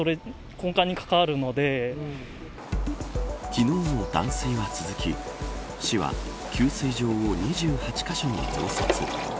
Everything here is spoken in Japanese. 昨日も断水は続き市は、給水場を２８カ所に増設。